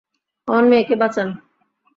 আমার মেয়েকে বাঁচান।